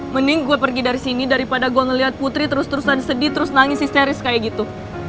mending gue pergi dari sini daripada gue ngeliat putri terus terusan sedih terus nangis histeris kayak gitu